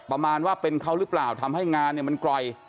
ประมาณว่าเป็นเขาหรือเปล่าทำงานมันกล่อย